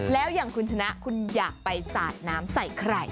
แล้วอย่างคุณชนะคุณอยากไปสาดน้ำใส่ใคร